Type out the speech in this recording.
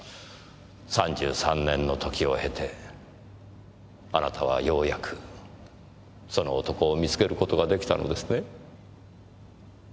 ３３年の時を経てあなたはようやくその男を見つける事が出来たのですね。